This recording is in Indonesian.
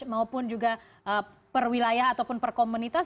maupun juga perwilayah ataupun perkomunitas